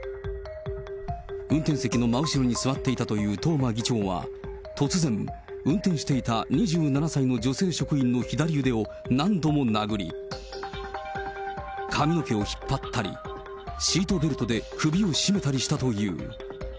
運転席の真後ろに座っていたという東間議長は、突然、運転していた２７歳の女性職員の左腕を何度も殴り、髪の毛を引っ張ったり、シートベルトで首を絞めたりしたという。